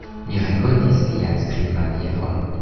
Mi rekonis lian skribmanieron.